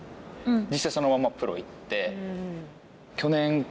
実際そのままプロ行って。